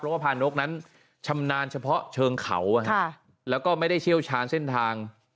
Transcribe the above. เรื่องของ